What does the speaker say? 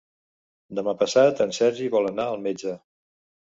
Demà passat en Sergi vol anar al metge.